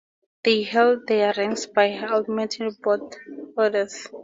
They held their ranks by Admiralty Board orders.